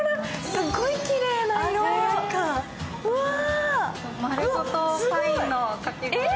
すごいきれいな色、わー。